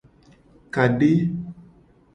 Kade.